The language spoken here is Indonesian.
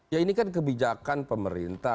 ya ini kan kebijakan pemerintah